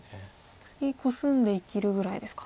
次コスんで生きるぐらいですか。